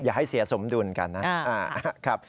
อย่าให้เสียสมดุลกันนะ